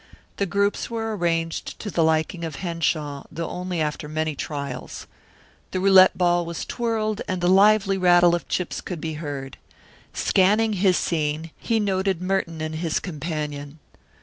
The groups were arranged to the liking of Henshaw, though only after many trials. The roulette ball was twirled and the lively rattle of chips could be heard. Scanning his scene, he noted Merton and his companion.